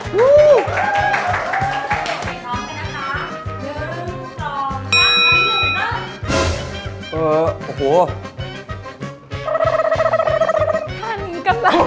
กลับให้พร้อมกันกันนะคะ๑๒๓